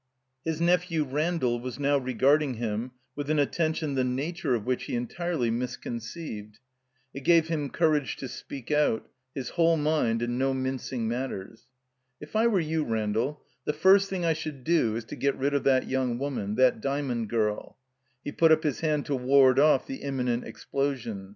His nephew, Randall, was now regarding him with an attention the nature of which he entirely mis conceived. It gave him courage to speak out — ^his whole mind and no mincing matters. "If I were you, Randall, the first thing I should do is to get rid of that young woman — ^that Dymond girl —" He put up his hand to ward off the im minent explosion.